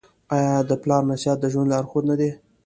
آیا د پلار نصیحت د ژوند لارښود نه دی؟